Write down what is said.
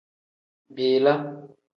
Bila.